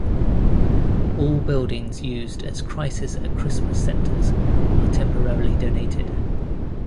All buildings used as Crisis at Christmas Centres are temporarily donated.